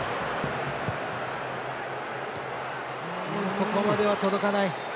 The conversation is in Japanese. ここまでは届かない。